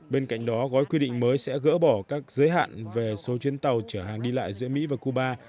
bên cạnh đó gói quy định mới sẽ gỡ bỏ các giới hạn về số chuyến tàu chở hàng đi lại giữa mỹ và cuba